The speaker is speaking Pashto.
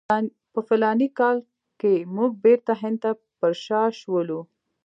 په فلاني کال کې موږ بیرته هند ته پر شا شولو.